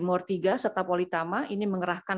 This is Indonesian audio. murtiga serta politama ini mengerahkan